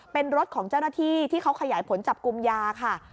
เป็นรถของเจ้าหน้าที่ที่เขาขยายผลจับกลุ่มยาค่ะ